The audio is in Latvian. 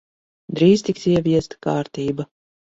Drīz tiks ieviesta kārtība.